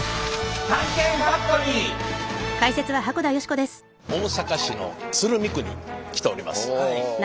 これは大阪市の鶴見区に来ております。